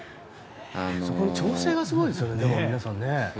そこの調整がすごいですよね。